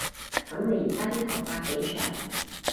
噉你而家啲頭髮幾長